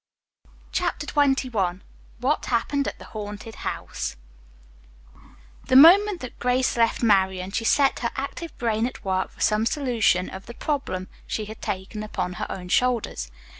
CHAPTER XXI WHAT HAPPENED AT THE HAUNTED HOUSE The moment that Grace left Marian, she set her active brain at work for some solution of the problem she had taken upon her own shoulders.